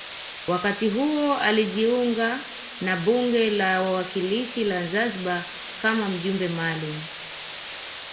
Wakati huo alijiunga na bunge la wawakilishi la Zanzibar kama mjumbe maalum